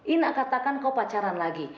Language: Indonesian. ina katakan kau pacaran lagi